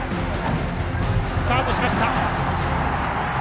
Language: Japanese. スタートしました。